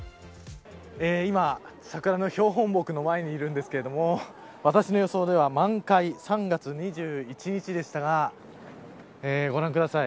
今、桜の標本木の前にいるんですけど私の予想では満開３月２１日でしたがご覧ください。